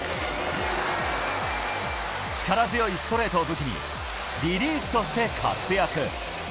力強いストレートを武器に、リリーフとして活躍。